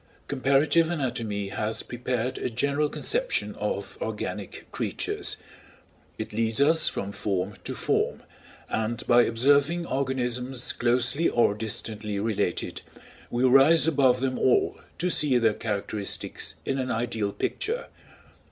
Comparative anatomy has prepared a general conception of organic creatures; it leads us from form to form, and by observing organisms closely or distantly related, we rise above them all to see their characteristics in an ideal picture.